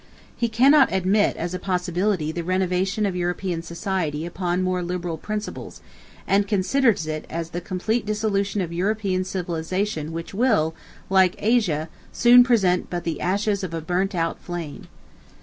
He cannot admit as a possibility the renovation of European society upon more liberal principles, and considers it as the complete dissolution of European civilization which will, like Asia, soon present but the ashes of a burnt out flame.